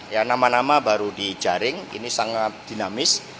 yang nama nama baru di jaring ini sangat dinamis